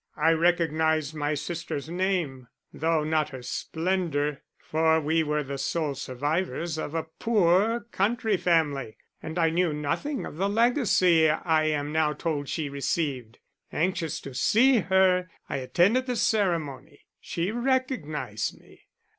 I recognized my sister's name, though not her splendor, for we were the sole survivors of a poor country family and I knew nothing of the legacy I am now told she received. Anxious to see her, I attended the ceremony. She recognized me.